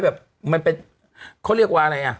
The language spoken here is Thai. แบบมันเป็นเขาเรียกว่าอะไรอ่ะ